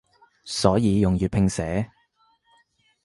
所以用粵拼寫